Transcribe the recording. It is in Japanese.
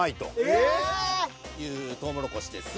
ええっ！というトウモロコシです。